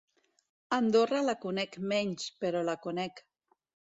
Andorra la conec menys, però la conec.